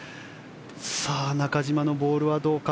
さあ、中島のボールはどうか。